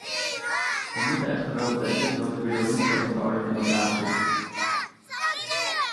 We moeten echter wel bedenken dat de wereld niet zo eenvoudig in elkaar zit.